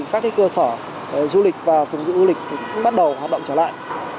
các cơ sở du lịch và phục vụ du lịch cũng bắt đầu hoạt động trở lại